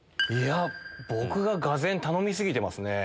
僕ががぜん頼み過ぎてますね。